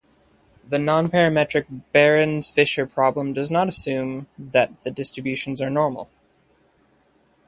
The Nonparametric Behrens-Fisher Problem does not assume that the distributions are normal.